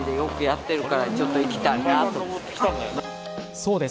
そうです。